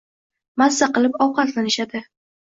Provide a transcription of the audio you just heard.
mazza qilib ovqatlanishadi